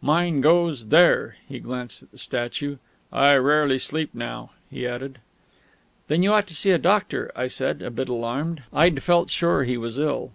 Mine goes there." He glanced at the statue. "I rarely sleep now," he added. "Then you ought to see a doctor," I said, a bit alarmed. (I'd felt sure he was ill.)